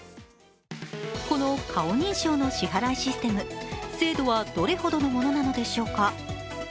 この顔認証の支払いシステム、精度はどのくらいのものなんでしょうか。